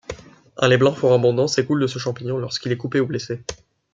Un lait blanc fort abondant s’écoule de ce champignon lorsqu'il est coupé ou blessé.